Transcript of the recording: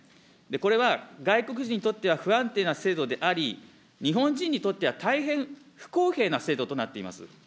これは、外国人にとっては不安定な制度であり、日本人にとっては大変不公平な制度となっています。